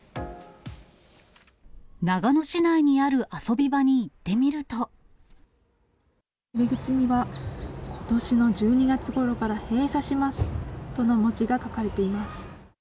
長野市内にある遊び場に行っ入り口には、ことしの１２月ごろから閉鎖しますとの文字が書かれています。